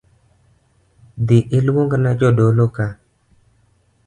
Dhii ilungna jodolo ka